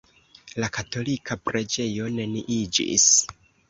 La katolika preĝejo neniiĝis.